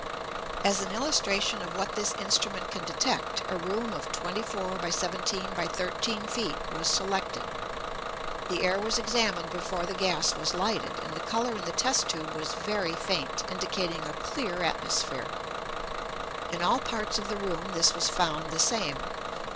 As an illustration of what this instrument can detect, a room of 24 by 17 by 13 feet was selected. The air was examined before the gas was lighted, and the colour in the test tube was very faint, indicating a clear atmosphere. In all parts of the room this was found the same.